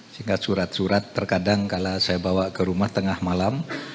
sehingga surat surat terkadang kalau saya bawa ke rumah tengah malam